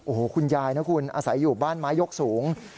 โอ้โหคุณยายนะคุณอาศัยอยู่บ้านไม้ยกสูง